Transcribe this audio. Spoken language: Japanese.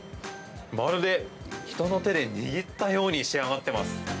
まるで人の手で握ったように仕上がっています。